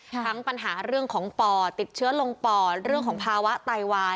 ทั้งปัญหาเรื่องของปอดติดเชื้อลงปอดเรื่องของภาวะไตวาย